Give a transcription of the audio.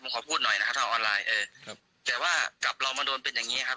ผมขอพูดหน่อยนะครับถ้าว่าออนไลน์แต่ว่ากลับเรามาโดนเป็นอย่างนี้ครับ